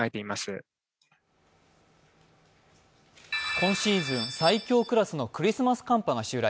今シーズン最強クラスのクリスマス寒波が襲来。